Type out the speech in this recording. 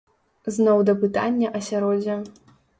Зноў да пытання асяроддзя.